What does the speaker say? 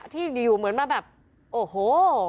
ที่อยู่เหมือนมาแบบโอ้โห